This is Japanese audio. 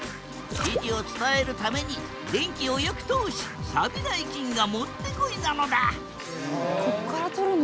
指示を伝えるために電気をよく通しさびない金がもってこいなのだこっから取るの？